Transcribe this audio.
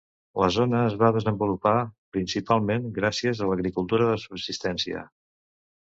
La zona es va desenvolupar principalment gràcies a l'agricultura de subsistència.